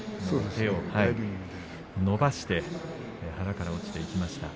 手を伸ばして腹から落ちていきました。